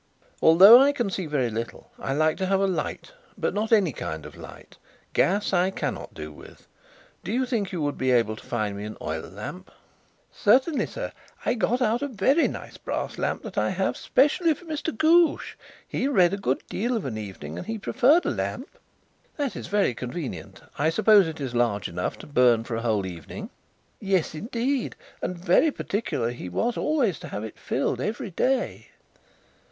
"Although I can see very little I like to have a light, but not any kind of light. Gas I cannot do with. Do you think that you would be able to find me an oil lamp?" "Certainly, sir. I got out a very nice brass lamp that I have specially for Mr. Ghoosh. He read a good deal of an evening and he preferred a lamp." "That is very convenient. I suppose it is large enough to burn for a whole evening?" "Yes, indeed. And very particular he was always to have it filled every day."